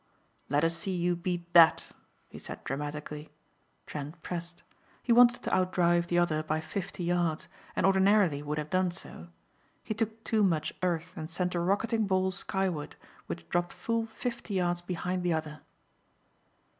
"Let us see you beat that," he said dramatically. Trent pressed. He wanted to outdrive the other by fifty yards and ordinarily would have done so. He took too much earth and sent a rocketting ball skyward which dropped full fifty yards behind the other.